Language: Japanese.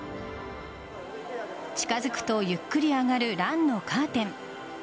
近づくとゆっくり上がるランのカーテン。